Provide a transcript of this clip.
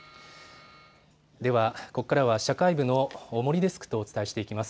では、ここからは社会部の方森デスクとお伝えしていきます。